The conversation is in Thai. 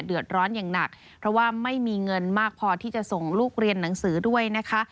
เดือดร้อนอย่างหนักเพราะว่าไม่มีเงินมากพอที่จะส่งลูกเรียนหนังสือด้วยนะคะ